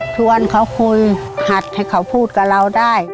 ชวนเขาคุยหัดให้เขาพูดกับเราได้